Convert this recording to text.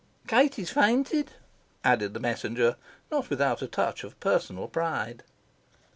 "Katie's fainted," added the Messenger, not without a touch of personal pride.